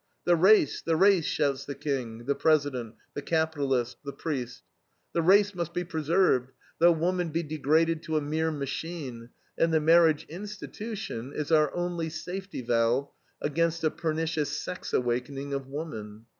The race, the race! shouts the king, the president, the capitalist, the priest. The race must be preserved, though woman be degraded to a mere machine, and the marriage institution is our only safety valve against the pernicious sex awakening of woman.